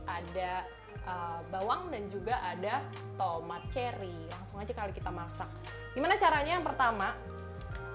ada bawang dan juga ada tomat cherry langsung aja kali kita masak gimana caranya yang pertama